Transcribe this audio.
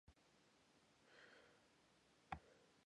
He moved to Old Redford Academy in Detroit for his sophomore season.